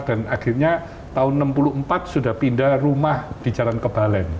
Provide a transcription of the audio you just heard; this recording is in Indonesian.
dan akhirnya tahun seribu sembilan ratus enam puluh empat sudah pindah rumah di jalan kebalen